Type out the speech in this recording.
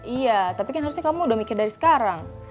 iya tapi kan harusnya kamu udah mikir dari sekarang